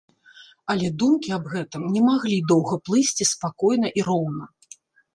Але думкі аб гэтым не маглі доўга плысці спакойна і роўна.